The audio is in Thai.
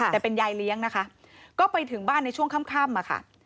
แต่เป็นยายเลี้ยงนะคะก็ไปถึงบ้านในช่วงค่ำอะค่ะ